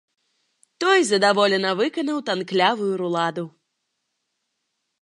Той задаволена выканаў танклявую руладу.